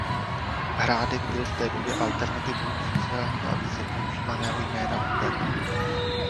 Hrádek byl v té době alternativou oficiálního a více používaného jména Buben.